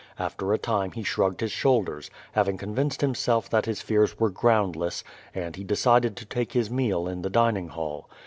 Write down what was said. After a time he shrugged his shoulders, having convinced himself that his fears were groundless, and he decided to take his meal in the dining Eall.